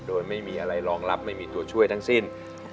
โดยไม่มีอะไรรองรับไม่มีตัวช่วยทั้งสิ้น